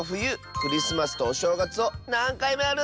クリスマスとおしょうがつをなんかいもやるッス！